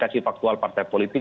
soal partai politik